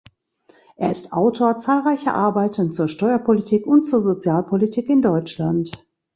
Er ist Autor zahlreicher Arbeiten zur Steuerpolitik und zur Sozialpolitik in Deutschland.